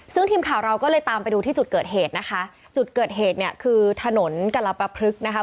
ซึ่งทีมข่าวเราก็เลยตามไปดูที่จุดเกิดเหตุนะคะจุดเกิดเหตุเนี่ยคือถนนกรปพลึกนะคะ